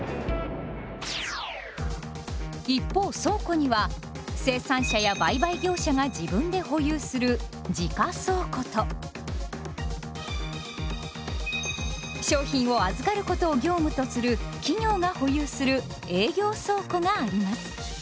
一方倉庫には生産者や売買業者が自分で保有する「自家倉庫」と商品を預かることを業務とする企業が保有する「営業倉庫」があります。